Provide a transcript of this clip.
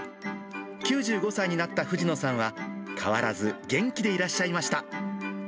９５歳になった藤野さんは、変わらず元気でいらっしゃいました。